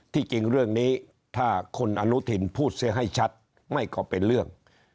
จริงเรื่องนี้ถ้าคุณอนุทินพูดเสียให้ชัดไม่ก็เป็นเรื่อง